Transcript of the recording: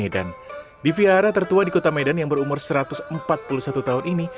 di vihara tertua di kota medan yang berumur satu ratus empat puluh satu tahun ini